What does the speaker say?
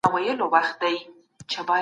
آیا وطن له اقتصادي ستونزو سره مخ دی؟